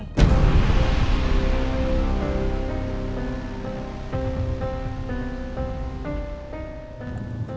dibuat sama riki